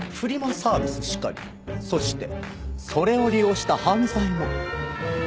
サービスしかりそしてそれを利用した犯罪も。